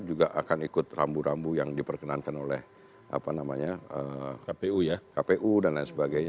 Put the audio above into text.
juga akan ikut rambu rambu yang diperkenankan oleh kpu ya kpu dan lain sebagainya